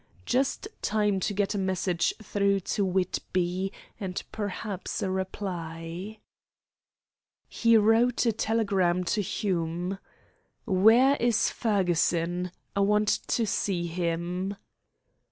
"Just time to get a message through to Whitby, and perhaps a reply." He wrote a telegram to Hume: "Where is Fergusson? I want to see him."